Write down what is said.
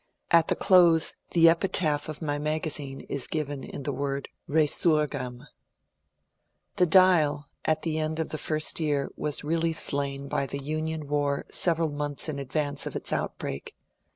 At the close the epitaph of my magazine is given in the word " Besurgam." The ^^ Dial " at the end of the first year was really slain by the Union war several months in advance of its outbreak.